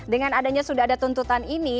dengan adanya sudah ada tuntutan ini